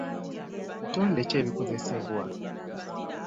Bitonde ki ebikosebwa?